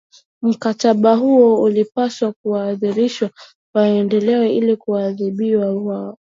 Mkataba huo ulimpasa kuwarudisha Wareno ili waadhibiwe kwao